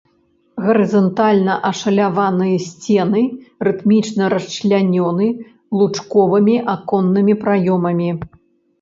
Гарызантальна ашаляваныя сцены рытмічна расчлянёны лучковымі аконнымі праёмамі.